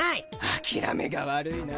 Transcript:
あきらめが悪いな。